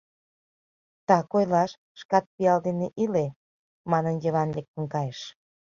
Так ойлаш, шкат пиал дене иле, — манын, Йыван лектын кайыш.